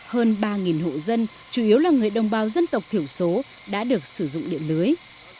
hơn ba hộ dân chủ yếu là người đồng bào dân tộc thiểu số đã được sử dụng điện lưới